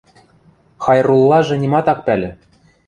Хайруллажы нимат ак пӓлӹ: